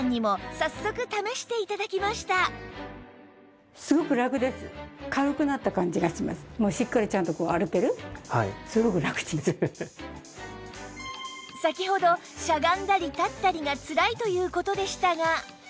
先ほどしゃがんだり立ったりがつらいという事でしたが